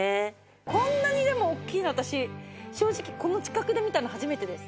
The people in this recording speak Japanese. こんなにでも大きいの私正直この近くで見たの初めてです。